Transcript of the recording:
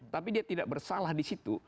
tapi dia tidak bersalah di situ